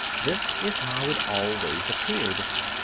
This is how it always appeared.